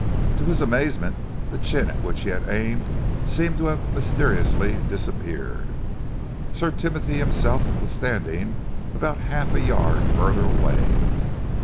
To his amazement, the chin at which he had aimed seemed to have mysteriously disappeared. Sir Timothy himself was standing about half a yard further away.